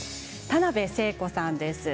田辺聖子さんです。